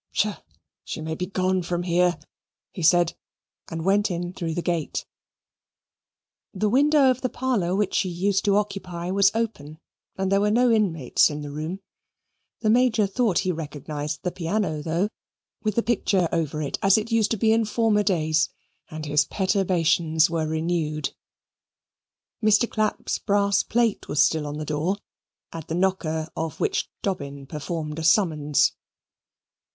"Psha! she may be gone from here," he said and went in through the gate. The window of the parlour which she used to occupy was open, and there were no inmates in the room. The Major thought he recognized the piano, though, with the picture over it, as it used to be in former days, and his perturbations were renewed. Mr. Clapp's brass plate was still on the door, at the knocker of which Dobbin performed a summons.